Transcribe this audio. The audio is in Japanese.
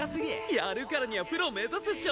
やるからにはプロ目指すっしょ！